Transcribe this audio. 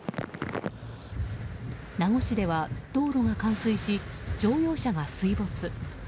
名護市では道路が冠水し乗用車が水没。